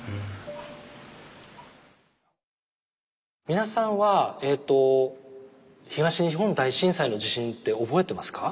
皆さんは東日本大震災の地震って覚えてますか？